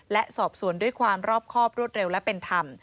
และสอบสวนด้วยความรอบครอบรวดเร็วและเป็นธรรม